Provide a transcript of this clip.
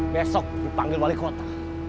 besok dipanggil wali kota